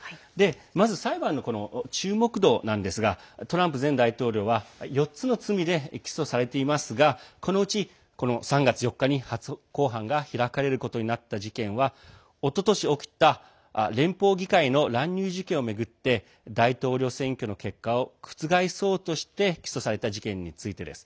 まず裁判の注目度なんですがトランプ前大統領は４つの罪で起訴されていますがこのうち、３月４日に初公判が開かれることになった事件はおととし起きた連邦議会への乱入事件を巡って大統領選挙の結果を覆そうとして起訴された事件についてです。